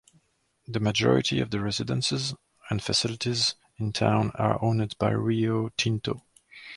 The majority of the residences and facilities in town are owned by Rio Tinto.